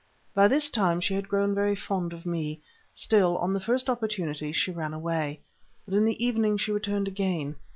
By this time she had grown very fond of me; still, on the first opportunity she ran away. But in the evening she returned again.